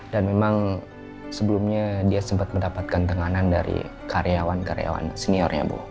dan memang sebelumnya dia sempat mendapatkan tenganan dari karyawan karyawan seniornya bu